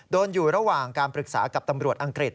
อยู่ระหว่างการปรึกษากับตำรวจอังกฤษ